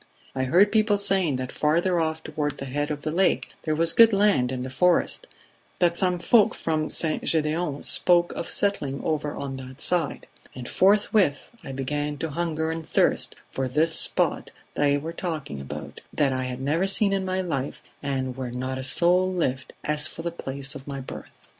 I heard people saying that farther off toward the head of the Lake there was good land in the forest; that some folk from St. Gedeon spoke of settling over on that side; and forthwith I began to hunger and thirst for this spot they were talking about, that I had never seen in my life and where not a soul lived, as for the place of my birth